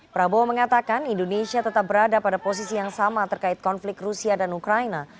prabowo mengatakan indonesia tetap berada pada posisi yang sama terkait konflik rusia dan ukraina